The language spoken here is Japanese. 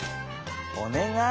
おねがい！